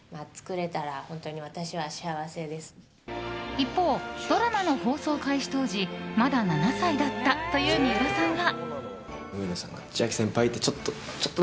一方、ドラマの放送開始当時まだ７歳だったという三浦さんは。